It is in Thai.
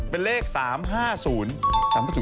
เป็นเลข๓๕๐